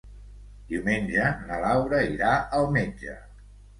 Diumenge na Laura irà al metge.